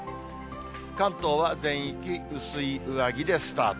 関東は全域薄い上着でスタート。